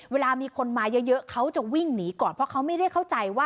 เวลามีคนมาเยอะเขาจะวิ่งหนีก่อนเพราะเขาไม่ได้เข้าใจว่า